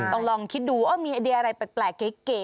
ต้องลองคิดดูอ้อมีไอเดียอะไรแปลกเก๋